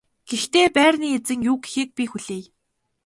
Гэхдээ байрны эзэн юу гэхийг би хүлээе.